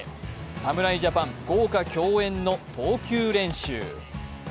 侍ジャパン豪華共演の投球練習。